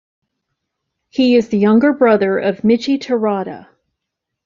He is the younger brother of Michie Terada.